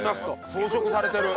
装飾されてる！